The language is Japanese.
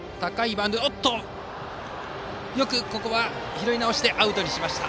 ここは、よく拾い直してアウトにしました。